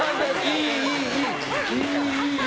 いい、いい。